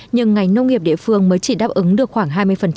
nhưng ngành nông nghiệp địa phương mới chỉ đáp ứng được khoảng hai mươi